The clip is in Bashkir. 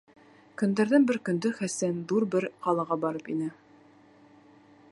Көндәрҙән бер көндө Хәсән ҙур бер ҡалаға барып инә.